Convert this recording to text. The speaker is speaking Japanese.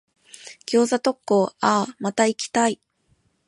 餃子特講、あぁ、また行きたい。